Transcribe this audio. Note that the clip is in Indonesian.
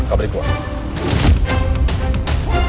kamu beri kuat